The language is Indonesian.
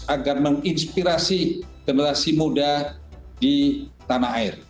agar menginspirasi generasi muda di tanah air